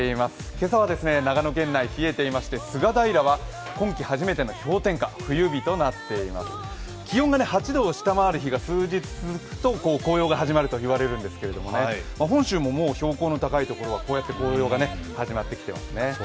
今朝は長野県内、冷えていまして、菅平は今季初めての氷点下、冬日となっています、気温が８度を下回る日が数日続くと紅葉が始まると言われるってすけどね、本州も標高の高いところはこうやって紅葉が始まってきてますね。